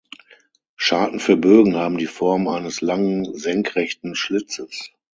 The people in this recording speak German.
Scharten für Bögen haben die Form eines langen senkrechten Schlitzes.